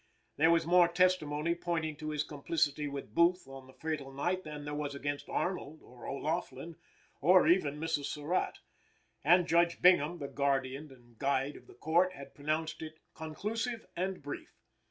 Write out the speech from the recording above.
There was more testimony pointing to his complicity with Booth on the fatal night than there was against Arnold or O'Laughlin or even Mrs. Surratt; and Judge Bingham, the guardian and guide of the Court, had pronounced it "Conclusive and brief."